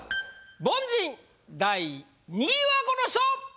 凡人第２位はこの人！